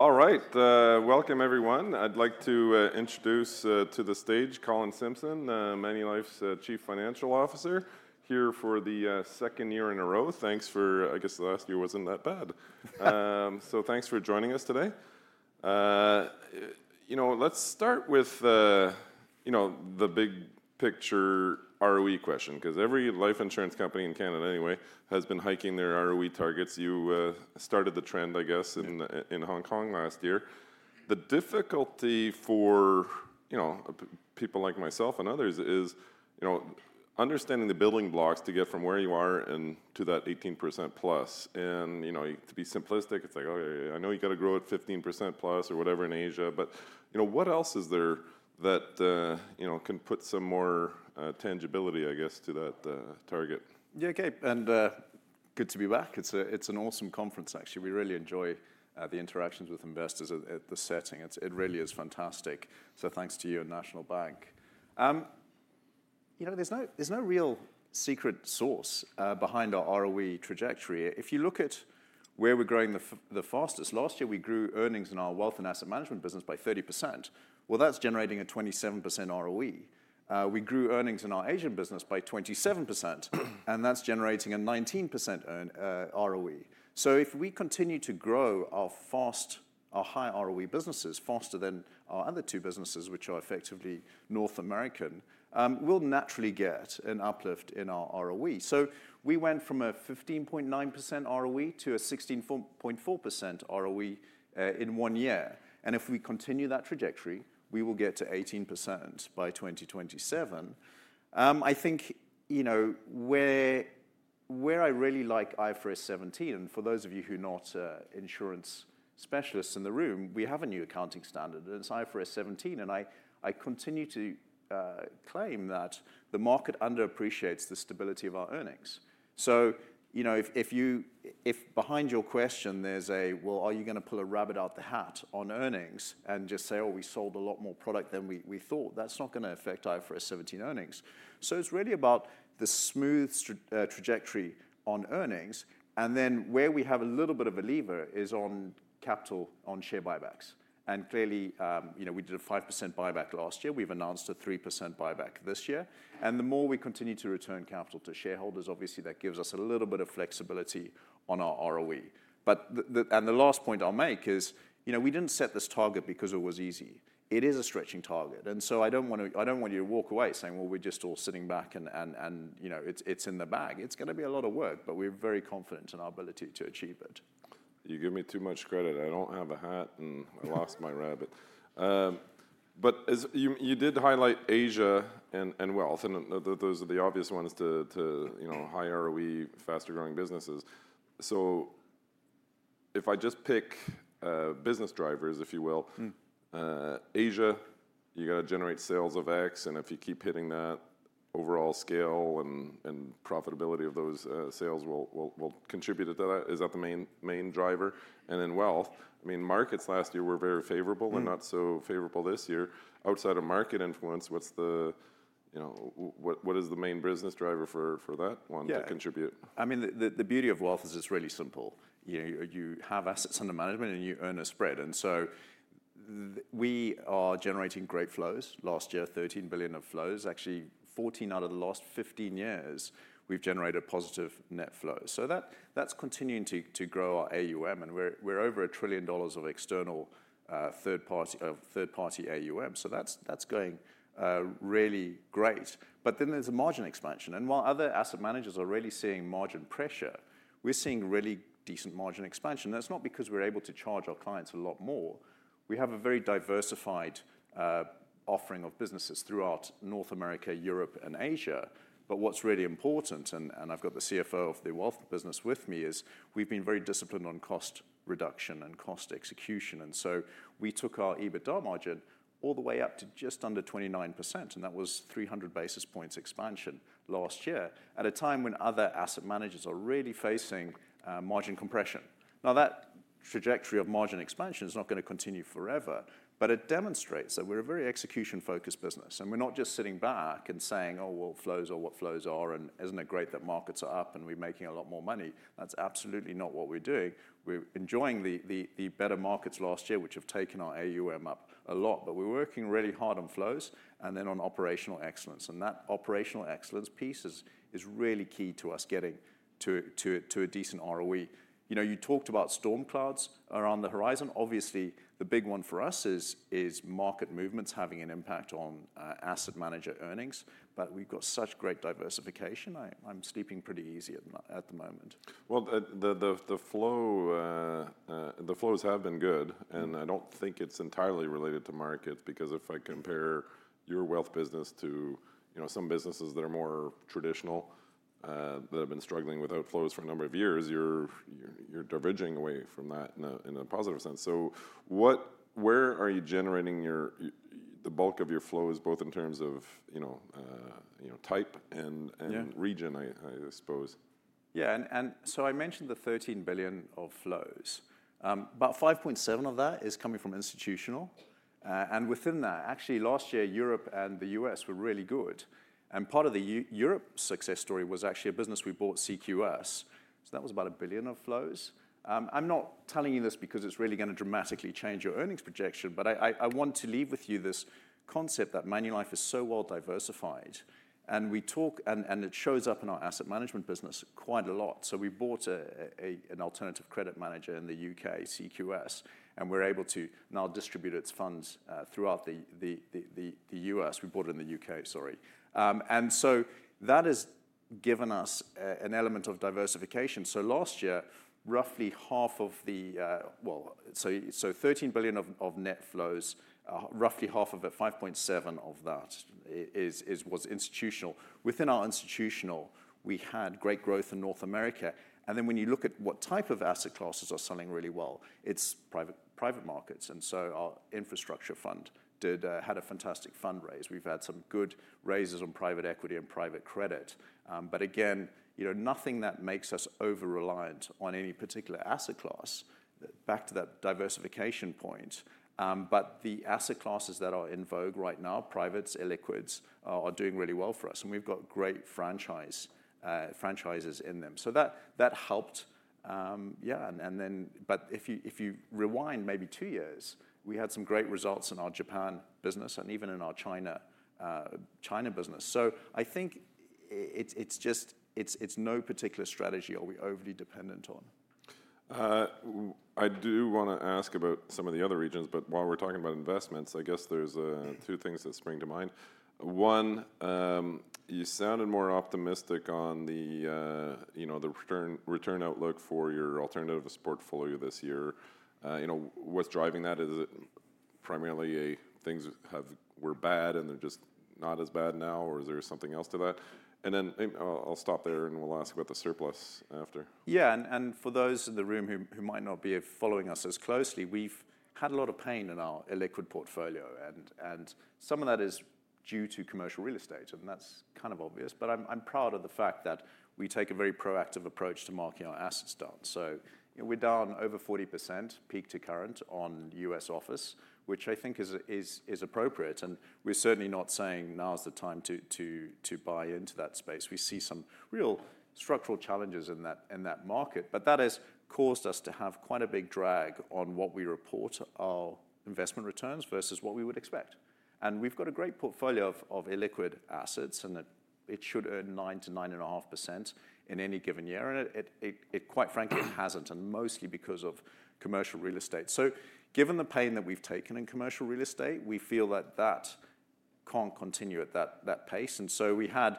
All right, welcome everyone. I'd like to introduce to the stage Colin Simpson, Manulife's Chief Financial Officer, here for the second year in a row. Thanks for, I guess the last year wasn't that bad. Thanks for joining us today. You know, let's start with, you know, the big picture ROE question, because every life insurance company in Canada anyway has been hiking their ROE targets. You started the trend, I guess, in Hong Kong last year. The difficulty for, you know, people like myself and others is, you know, understanding the building blocks to get from where you are and to that 18%+. To be simplistic, it's like, oh, yeah, yeah, I know you got to grow at 15%+ or whatever in Asia, but, you know, what else is there that, you know, can put some more tangibility, I guess, to that target? Yeah, okay, and good to be back. It's an awesome conference, actually. We really enjoy the interactions with investors at the setting. It really is fantastic. Thanks to you and National Bank. You know, there's no real secret sauce behind our ROE trajectory. If you look at where we're growing the fastest, last year we grew earnings in our wealth and asset management business by 30%. That's generating a 27% ROE. We grew earnings in our Asian business by 27%, and that's generating a 19% ROE. If we continue to grow our high ROE businesses faster than our other two businesses, which are effectively North American, we'll naturally get an uplift in our ROE. We went from a 15.9% ROE to a 16.4% ROE in one year. If we continue that trajectory, we will get to 18% by 2027. I think, you know, where I really like IFRS 17, and for those of you who are not insurance specialists in the room, we have a new accounting standard, and it's IFRS 17. I continue to claim that the market underappreciates the stability of our earnings. You know, if behind your question there's a, well, are you going to pull a rabbit out the hat on earnings and just say, oh, we sold a lot more product than we thought, that's not going to affect IFRS 17 earnings. It's really about the smooth trajectory on earnings. Where we have a little bit of a lever is on capital on share buybacks. Clearly, you know, we did a 5% buyback last year. We've announced a 3% buyback this year. The more we continue to return capital to shareholders, obviously that gives us a little bit of flexibility on our ROE. The last point I'll make is, you know, we didn't set this target because it was easy. It is a stretching target. I don't want you to walk away saying, you know, we're just all sitting back and, you know, it's in the bag. It's going to be a lot of work, but we're very confident in our ability to achieve it. You give me too much credit. I don't have a hat and I lost my rabbit. You did highlight Asia and wealth, and those are the obvious ones to high ROE, faster growing businesses. If I just pick business drivers, if you will, Asia, you got to generate sales of X. If you keep hitting that, overall scale and profitability of those sales will contribute to that. Is that the main driver? Wealth, I mean, markets last year were very favorable and not so favorable this year. Outside of market influence, what's the, you know, what is the main business driver for that one to contribute? Yeah, I mean, the beauty of wealth is it's really simple. You have assets under management and you earn a spread. You know, we are generating great flows last year, $13 billion of flows. Actually, 14 out of the last 15 years, we've generated positive net flows. That is continuing to grow our AUM. We are over a trillion dollars of external third-party AUM. That is going really great. There is a margin expansion. While other asset managers are really seeing margin pressure, we are seeing really decent margin expansion. That is not because we are able to charge our clients a lot more. We have a very diversified offering of businesses throughout North America, Europe, and Asia. What is really important, and I have got the CFO of the wealth business with me, is we have been very disciplined on cost reduction and cost execution. We took our EBITDA margin all the way up to just under 29%. That was 300 basis points expansion last year at a time when other asset managers are really facing margin compression. Now, that trajectory of margin expansion is not going to continue forever, but it demonstrates that we're a very execution-focused business. We're not just sitting back and saying, oh, well, flows are what flows are, and isn't it great that markets are up and we're making a lot more money? That's absolutely not what we're doing. We're enjoying the better markets last year, which have taken our AUM up a lot, but we're working really hard on flows and then on operational excellence. That operational excellence piece is really key to us getting to a decent ROE. You know, you talked about storm clouds around the horizon. Obviously, the big one for us is market movements having an impact on asset manager earnings. We have got such great diversification. I am sleeping pretty easy at the moment. The flows have been good. I don't think it's entirely related to markets, because if I compare your wealth business to, you know, some businesses that are more traditional, that have been struggling with outflows for a number of years, you're diverging away from that in a positive sense. Where are you generating the bulk of your flows, both in terms of, you know, type and region, I suppose? Yeah, and I mentioned the $13 billion of flows. About $5.7 billion of that is coming from institutional. Within that, actually, last year, Europe and the U.S. were really good. Part of the Europe success story was actually a business we bought, CQS. That was about $1 billion of flows. I'm not telling you this because it's really going to dramatically change your earnings projection, but I want to leave with you this concept that Manulife is so well diversified. We talk, and it shows up in our asset management business quite a lot. We bought an alternative credit manager in the U.K., CQS, and we're able to now distribute its funds throughout the U.S. We bought it in the U.K., sorry. That has given us an element of diversification. Last year, roughly half of the, well, $13 billion of net flows, roughly half of it, $5.7 billion of that was institutional. Within our institutional, we had great growth in North America. And then when you look at what type of asset classes are selling really well, it is private markets. Our infrastructure fund had a fantastic fundraise. We have had some good raises on private equity and private credit. Again, you know, nothing that makes us over-reliant on any particular asset class, back to that diversification point. The asset classes that are in vogue right now, privates, illiquids, are doing really well for us. We have got great franchises in them. That helped, yeah. If you rewind maybe two years, we had some great results in our Japan business and even in our China business. I think it's just, it's no particular strategy are we overly dependent on. I do want to ask about some of the other regions, but while we're talking about investments, I guess there's two things that spring to mind. One, you sounded more optimistic on the, you know, the return outlook for your alternatives portfolio this year. You know, what's driving that? Is it primarily things were bad and they're just not as bad now, or is there something else to that? I'll stop there and we'll ask about the surplus after. Yeah, and for those in the room who might not be following us as closely, we've had a lot of pain in our illiquid portfolio. Some of that is due to commercial real estate, and that's kind of obvious. I'm proud of the fact that we take a very proactive approach to marking our assets down. We're down over 40% peak to current on U.S. office, which I think is appropriate. We're certainly not saying now is the time to buy into that space. We see some real structural challenges in that market. That has caused us to have quite a big drag on what we report our investment returns versus what we would expect. We've got a great portfolio of illiquid assets, and it should earn 9%-9.5% in any given year. Quite frankly, it hasn't, and mostly because of commercial real estate. Given the pain that we've taken in commercial real estate, we feel that that can't continue at that pace. We had,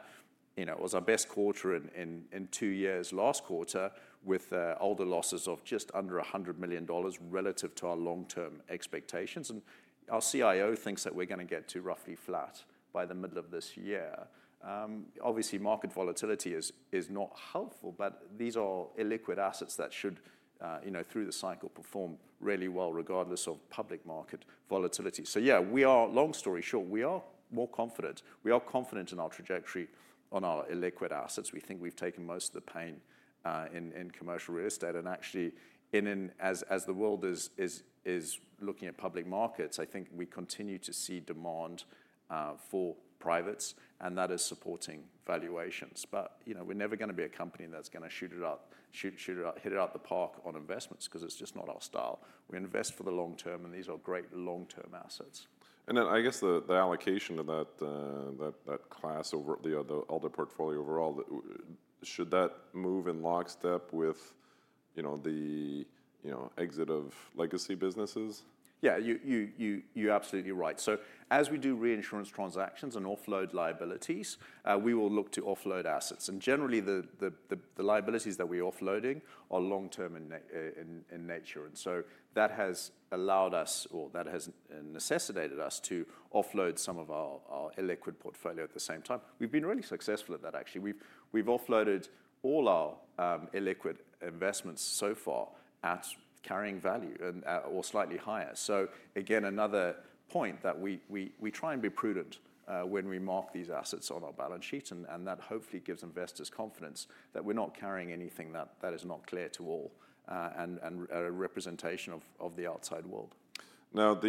you know, it was our best quarter in two years last quarter with ALDA losses of just under $100 million relative to our long-term expectations. Our CIO thinks that we're going to get to roughly flat by the middle of this year. Obviously, market volatility is not helpful, but these are illiquid assets that should, you know, through the cycle perform really well regardless of public market volatility. Yeah, we are, long story short, we are more confident. We are confident in our trajectory on our illiquid assets. We think we've taken most of the pain in commercial real estate. Actually, as the world is looking at public markets, I think we continue to see demand for privates, and that is supporting valuations. You know, we're never going to be a company that's going to shoot it out, hit it out the park on investments, because it's just not our style. We invest for the long term, and these are great long-term assets. I guess the allocation of that class, the older portfolio overall, should that move in lockstep with, you know, the exit of legacy businesses? Yeah, you're absolutely right. As we do reinsurance transactions and offload liabilities, we will look to offload assets. Generally, the liabilities that we are offloading are long-term in nature. That has allowed us, or that has necessitated us to offload some of our illiquid portfolio at the same time. We've been really successful at that, actually. We've offloaded all our illiquid investments so far at carrying value or slightly higher. Again, another point that we try and be prudent when we mark these assets on our balance sheet, and that hopefully gives investors confidence that we're not carrying anything that is not clear to all and a representation of the outside world. Now,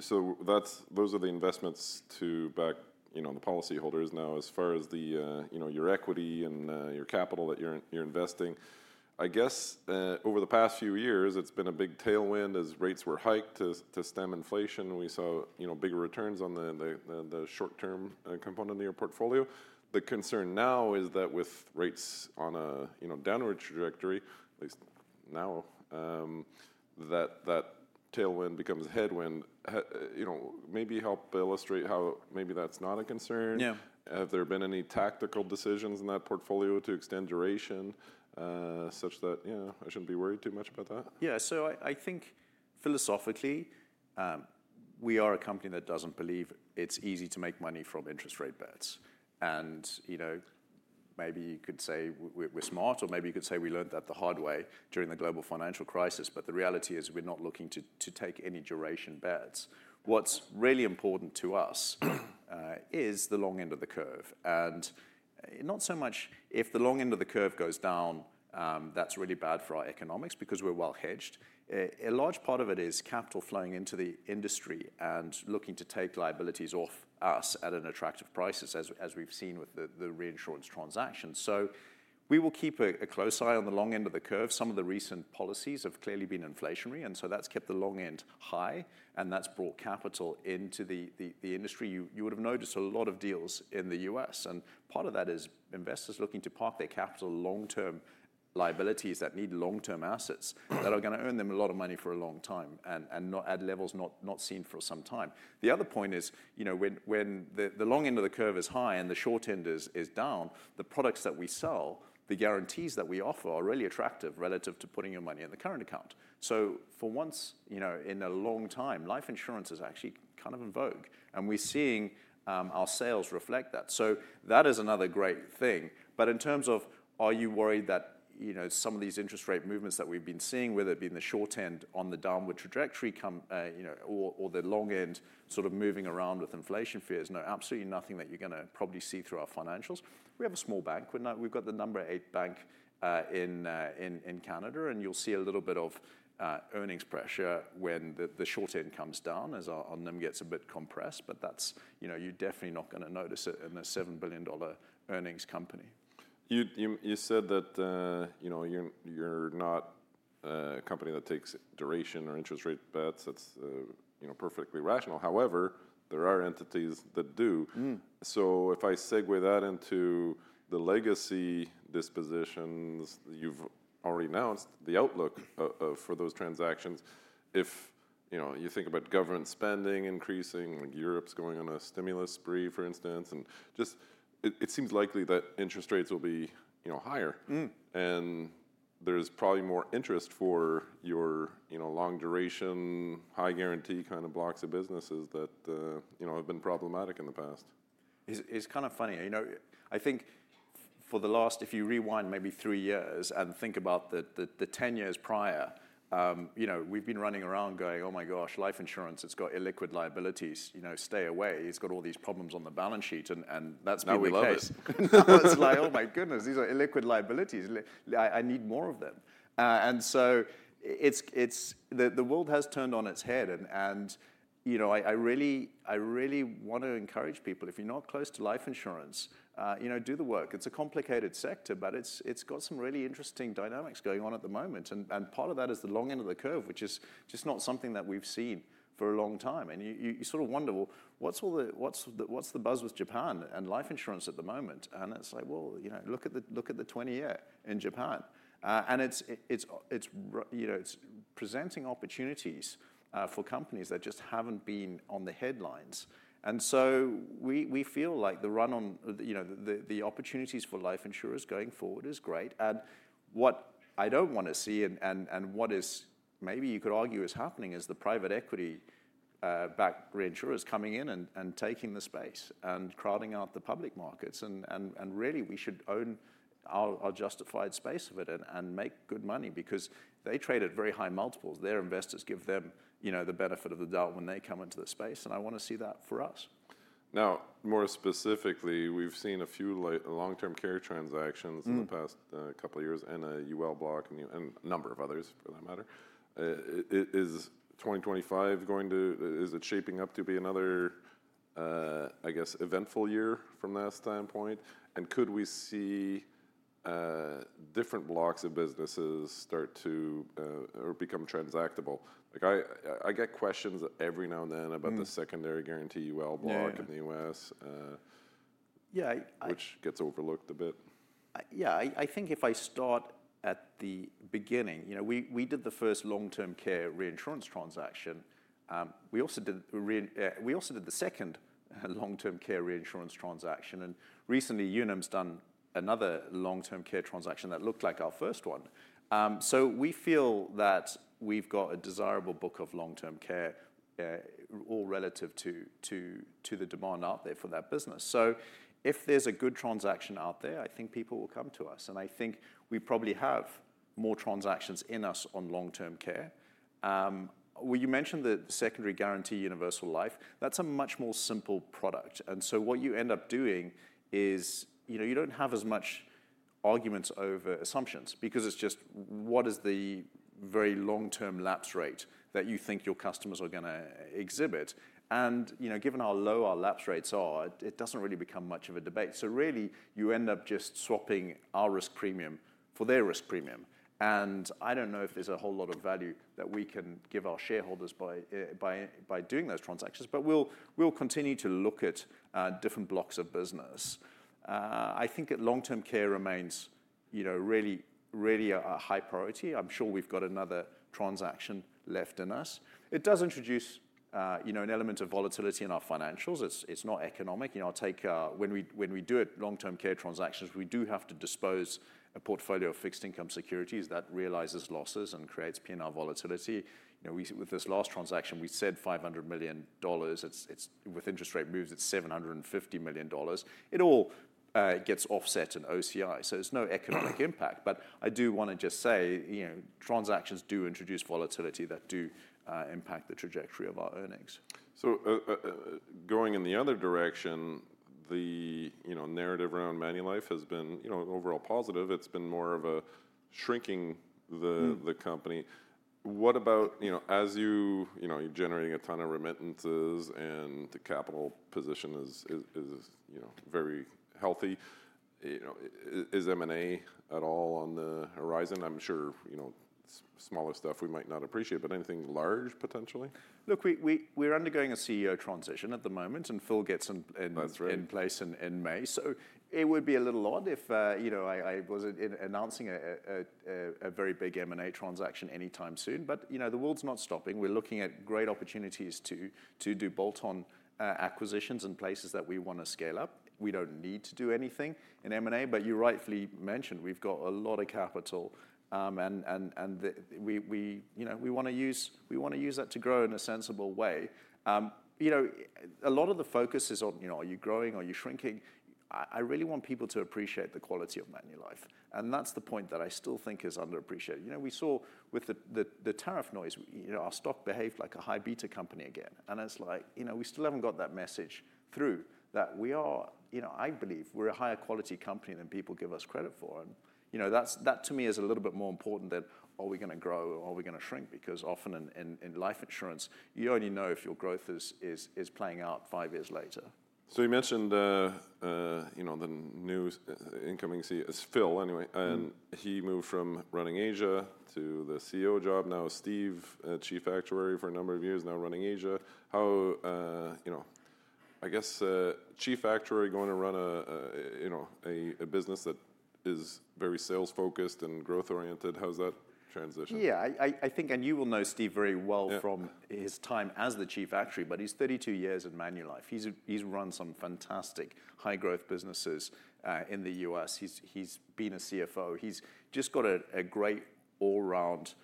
so those are the investments to back, you know, the policyholders. Now as far as your equity and your capital that you're investing, I guess over the past few years, it's been a big tailwind as rates were hiked to stem inflation. We saw bigger returns on the short-term component of your portfolio. The concern now is that with rates on a downward trajectory, at least now, that tailwind becomes a headwind. You know, maybe help illustrate how maybe that's not a concern. Have there been any tactical decisions in that portfolio to extend duration such that, you know, I shouldn't be worried too much about that? Yeah, I think philosophically, we are a company that doesn't believe it's easy to make money from interest rate bets. You know, maybe you could say we're smart, or maybe you could say we learned that the hard way during the global financial crisis. The reality is we're not looking to take any duration bets. What's really important to us is the long end of the curve. Not so much if the long end of the curve goes down, that's really bad for our economics because we're well hedged. A large part of it is capital flowing into the industry and looking to take liabilities off us at an attractive price, as we've seen with the reinsurance transactions. We will keep a close eye on the long end of the curve. Some of the recent policies have clearly been inflationary, and so that's kept the long end high, and that's brought capital into the industry. You would have noticed a lot of deals in the U.S. And part of that is investors looking to park their capital long-term liabilities that need long-term assets that are going to earn them a lot of money for a long time and at levels not seen for some time. The other point is, you know, when the long end of the curve is high and the short end is down, the products that we sell, the guarantees that we offer are really attractive relative to putting your money in the current account. For once, you know, in a long time, life insurance is actually kind of in vogue. We're seeing our sales reflect that. That is another great thing. In terms of, are you worried that, you know, some of these interest rate movements that we've been seeing, whether it be in the short end on the downward trajectory, you know, or the long end sort of moving around with inflation fears, no, absolutely nothing that you're going to probably see through our financials. We have a small bank. We've got the number eight bank in Canada, and you'll see a little bit of earnings pressure when the short end comes down as our NIM gets a bit compressed. But that's, you know, you're definitely not going to notice it in a $7 billion earnings company. You said that, you know, you're not a company that takes duration or interest rate bets. That's, you know, perfectly rational. However, there are entities that do. If I segue that into the legacy dispositions you've already announced, the outlook for those transactions, if, you know, you think about government spending increasing, like Europe's going on a stimulus spree, for instance, and just it seems likely that interest rates will be, you know, higher. There's probably more interest for your, you know, long duration, high guarantee kind of blocks of businesses that, you know, have been problematic in the past. It's kind of funny. You know, I think for the last, if you rewind maybe three years and think about the 10 years prior, you know, we've been running around going, oh my gosh, life insurance, it's got illiquid liabilities, you know, stay away. It's got all these problems on the balance sheet. And that's what we love. Now we're like this. Now it's like, oh my goodness, these are illiquid liabilities. I need more of them. The world has turned on its head. You know, I really want to encourage people, if you're not close to life insurance, you know, do the work. It's a complicated sector, but it's got some really interesting dynamics going on at the moment. Part of that is the long end of the curve, which is just not something that we've seen for a long time. You sort of wonder, what's the buzz with Japan and life insurance at the moment? It's like, you know, look at the 20-year in Japan. It's presenting opportunities for companies that just haven't been on the headlines. We feel like the run on, you know, the opportunities for life insurers going forward is great. What I do not want to see and what is maybe you could argue is happening is the private equity backed reinsurers coming in and taking the space and crowding out the public markets. Really, we should own our justified space of it and make good money because they trade at very high multiples. Their investors give them, you know, the benefit of the doubt when they come into the space. I want to see that for us. Now, more specifically, we've seen a few long-term care transactions in the past couple of years and a UL block and a number of others for that matter. Is 2025 going to, is it shaping up to be another, I guess, eventful year from that standpoint? Could we see different blocks of businesses start to become transactable? Like I get questions every now and then about the secondary guarantee UL block in the U.S., which gets overlooked a bit. Yeah, I think if I start at the beginning, you know, we did the first long-term care reinsurance transaction. We also did the second long-term care reinsurance transaction. Recently, Unum has done another long-term care transaction that looked like our first one. We feel that we've got a desirable book of long-term care, all relative to the demand out there for that business. If there's a good transaction out there, I think people will come to us. I think we probably have more transactions in us on long-term care. You mentioned the secondary guarantee universal life. That's a much more simple product. What you end up doing is, you know, you don't have as much arguments over assumptions because it's just what is the very long-term lapse rate that you think your customers are going to exhibit. You know, given how low our lapse rates are, it does not really become much of a debate. You end up just swapping our risk premium for their risk premium. I do not know if there is a whole lot of value that we can give our shareholders by doing those transactions, but we will continue to look at different blocks of business. I think that long-term care remains, you know, really, really a high priority. I am sure we have got another transaction left in us. It does introduce, you know, an element of volatility in our financials. It is not economic. You know, I will take when we do long-term care transactions, we do have to dispose a portfolio of fixed income securities that realizes losses and creates P&L volatility. With this last transaction, we said $500 million. With interest rate moves, it is $750 million. It all gets offset in OCI. There is no economic impact. I do want to just say, you know, transactions do introduce volatility that do impact the trajectory of our earnings. Going in the other direction, the, you know, narrative around Manulife has been, you know, overall positive. It's been more of a shrinking the company. What about, you know, as you, you know, you're generating a ton of remittances and the capital position is, you know, very healthy. You know, is M&A at all on the horizon? I'm sure, you know, smaller stuff we might not appreciate, but anything large potentially? Look, we're undergoing a CEO transition at the moment, and Phil gets in place in May. It would be a little odd if, you know, I was announcing a very big M&A transaction anytime soon. You know, the world's not stopping. We're looking at great opportunities to do bolt-on acquisitions in places that we want to scale up. We don't need to do anything in M&A. You rightfully mentioned we've got a lot of capital. You know, we want to use that to grow in a sensible way. You know, a lot of the focus is on, you know, are you growing or are you shrinking? I really want people to appreciate the quality of Manulife. That's the point that I still think is underappreciated. You know, we saw with the tariff noise, you know, our stock behaved like a high beta company again. You know, we still have not got that message through that we are, you know, I believe we are a higher quality company than people give us credit for. You know, that to me is a little bit more important than, are we going to grow or are we going to shrink? Because often in life insurance, you only know if your growth is playing out five years later. You mentioned, you know, the new incoming CEO is Phil anyway. And he moved from running Asia to the CEO job. Now, Steve, Chief Actuary for a number of years, now running Asia. How, you know, I guess Chief Actuary going to run a, you know, a business that is very sales-focused and growth-oriented. How's that transition? Yeah, I think, and you will know Steve very well from his time as the Chief Actuary, but he's 32 years at Manulife. He's run some fantastic high-growth businesses in the U.S. He's been a CFO. He's just got a great all-round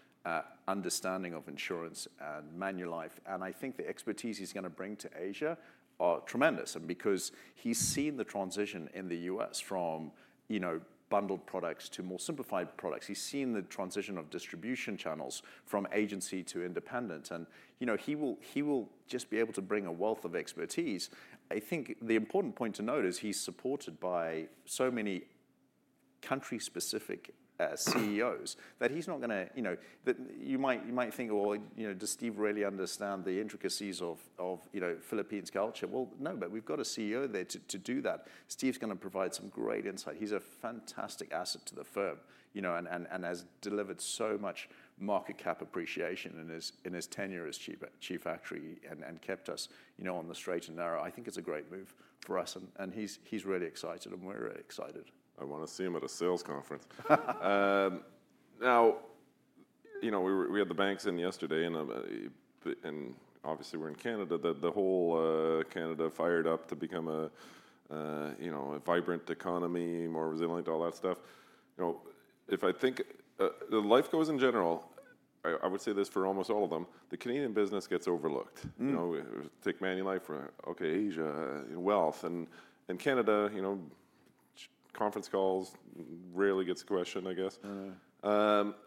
understanding of insurance and Manulife. I think the expertise he's going to bring to Asia are tremendous. Because he's seen the transition in the U.S from, you know, bundled products to more simplified products, he's seen the transition of distribution channels from agency to independent. You know, he will just be able to bring a wealth of expertise. I think the important point to note is he's supported by so many country-specific CEOs that he's not going to, you know, that you might think, you know, does Steve really understand the intricacies of, you know, Philippines culture? We have a CEO there to do that. Steve's going to provide some great insight. He's a fantastic asset to the firm, you know, and has delivered so much market cap appreciation in his tenure as Chief Actuary and kept us, you know, on the straight and narrow. I think it's a great move for us. He's really excited, and we're really excited. I want to see him at a sales conference. Now, you know, we had the banks in yesterday, and obviously we're in Canada, that the whole Canada fired up to become a, you know, a vibrant economy, more resilient, all that stuff. You know, if I think life goes in general, I would say this for almost all of them, the Canadian business gets overlooked. You know, take Manulife for, okay, Asia, wealth. And Canada, you know, conference calls rarely gets the question, I guess.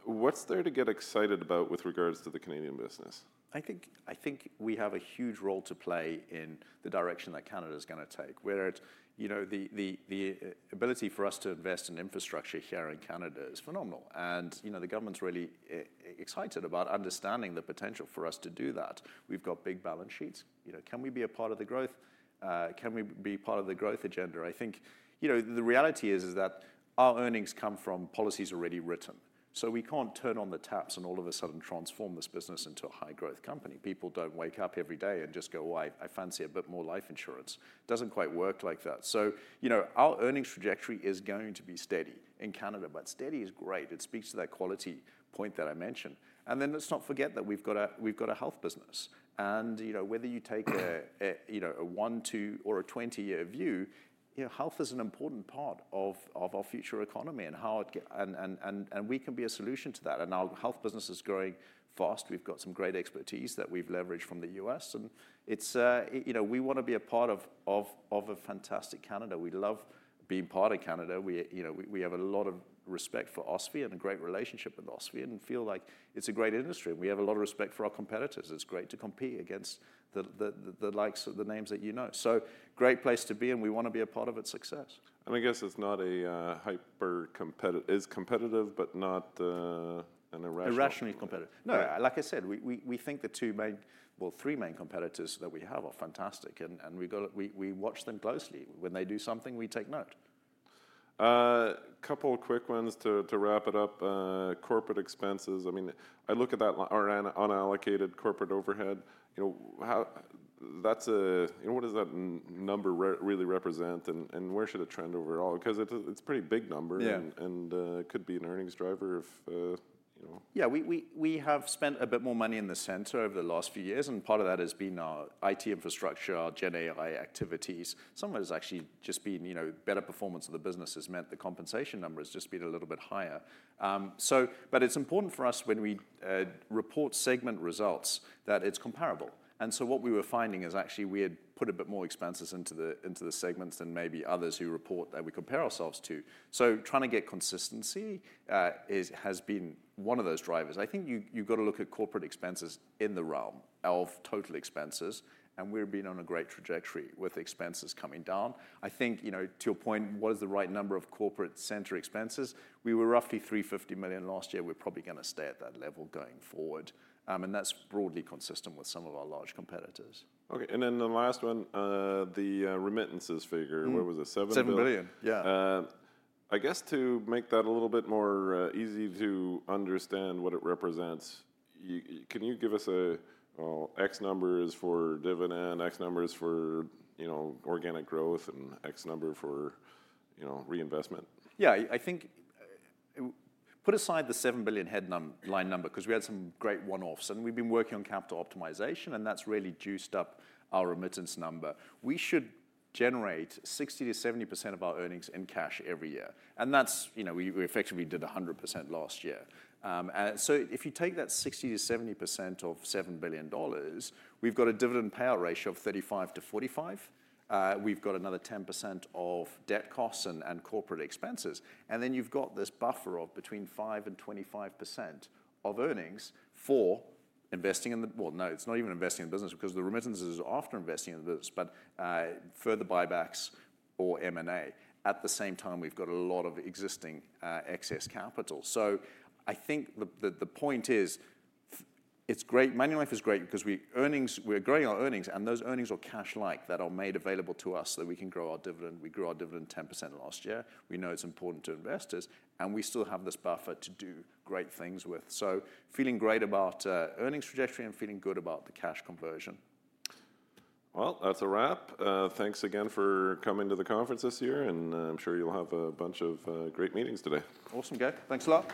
What's there to get excited about with regards to the Canadian business? I think we have a huge role to play in the direction that Canada is going to take, where it's, you know, the ability for us to invest in infrastructure here in Canada is phenomenal. You know, the government's really excited about understanding the potential for us to do that. We've got big balance sheets. You know, can we be a part of the growth? Can we be part of the growth agenda? I think, you know, the reality is that our earnings come from policies already written. We can't turn on the taps and all of a sudden transform this business into a high-growth company. People don't wake up every day and just go, well, I fancy a bit more life insurance. Doesn't quite work like that. You know, our earnings trajectory is going to be steady in Canada. But steady is great. It speaks to that quality point that I mentioned. Let's not forget that we've got a health business. You know, whether you take a one, two, or a 20-year view, you know, health is an important part of our future economy and how it, and we can be a solution to that. Our health business is growing fast. We've got some great expertise that we've leveraged from the U.S. You know, we want to be a part of a fantastic Canada. We love being part of Canada. We have a lot of respect for OSFI and a great relationship with OSFI and feel like it's a great industry. We have a lot of respect for our competitors. It's great to compete against the likes of the names that you know. Great place to be, and we want to be a part of its success. I guess it's not a hyper competitive, it's competitive, but not an irrational. Irrationally competitive. No, like I said, we think the two main, well, three main competitors that we have are fantastic. And we watch them closely. When they do something, we take note. Couple of quick ones to wrap it up. Corporate expenses. I mean, I look at that unallocated corporate overhead. You know, that's a, you know, what does that number really represent? And where should it trend overall? Because it's a pretty big number and could be an earnings driver if, you know. Yeah, we have spent a bit more money in the center over the last few years. Part of that has been our IT infrastructure, our GenAI activities. Some of it has actually just been, you know, better performance of the business has meant the compensation number has just been a little bit higher. It's important for us when we report segment results that it's comparable. What we were finding is actually we had put a bit more expenses into the segments than maybe others who report that we compare ourselves to. Trying to get consistency has been one of those drivers. I think you've got to look at corporate expenses in the realm of total expenses. We've been on a great trajectory with expenses coming down. I think, you know, to your point, what is the right number of corporate center expenses? We were roughly $350 million last year. We're probably going to stay at that level going forward. That is broadly consistent with some of our large competitors. Okay. The last one, the remittances figure, what was it? $7 billion. $7 billion, yeah. I guess to make that a little bit more easy to understand what it represents, can you give us X numbers for dividend, X numbers for, you know, organic growth, and X number for, you know, reinvestment? Yeah, I think put aside the $7 billion headline number, because we had some great one-offs. We've been working on capital optimization, and that's really juiced up our remittance number. We should generate 60%-70% of our earnings in cash every year. That's, you know, we effectively did 100% last year. If you take that 60%-70% of $7 billion, we've got a dividend payout ratio of 35%-45%. We've got another 10% of debt costs and corporate expenses. Then you've got this buffer of between 5% and 25% of earnings for investing in the, well, no, it's not even investing in the business, because the remittance is after investing in the business, but further buybacks or M&A. At the same time, we've got a lot of existing excess capital. I think the point is it's great. Manulife is great because we're growing our earnings, and those earnings are cash-like that are made available to us so that we can grow our dividend. We grew our dividend 10% last year. We know it's important to investors. We still have this buffer to do great things with. Feeling great about earnings trajectory and feeling good about the cash conversion. That's a wrap. Thanks again for coming to the conference this year. I'm sure you'll have a bunch of great meetings today. Awesome, Gabe. Thanks a lot.